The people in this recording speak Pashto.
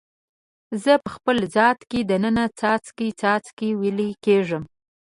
زه په خپل ذات کې د ننه څاڅکي، څاڅکي ویلي کیږم